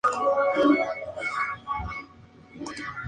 Diversos temas del álbum recibió críticas variadas durante toda la temporada.